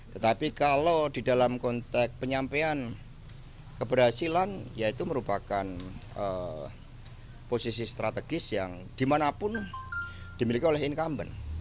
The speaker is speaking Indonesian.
tetapi kalau di dalam konteks penyampaian keberhasilan ya itu merupakan posisi strategis yang dimanapun dimiliki oleh incumbent